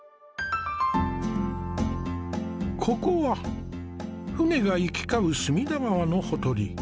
ここは舟が行き交う隅田川のほとり。